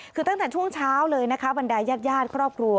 คือตั้งแต่ช่วงเช้าเลยนะคะบรรดายญาติญาติครอบครัว